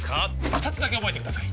二つだけ覚えてください